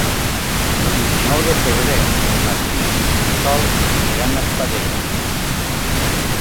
El vint-i-nou de febrer en Martí i na Sol aniran a Espadella.